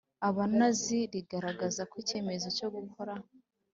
Abanazi rigaragaza ko ikemezo cyo gukora